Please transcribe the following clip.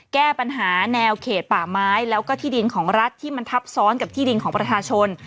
แก้ปัญหาแนวเขตป่าไม้แล้วก็ที่ดินของรัฐที่มันทับซ้อนกับที่ดินของประชาชน